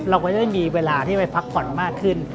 เราก็จะได้มีเวลาที่ไปพักผ่อนมากขึ้น